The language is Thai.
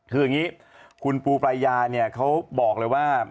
คืออย่างนี้คุณปูปรายาเนี่ยเขาบอกเลยว่า